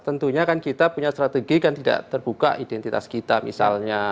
tentunya kan kita punya strategi kan tidak terbuka identitas kita misalnya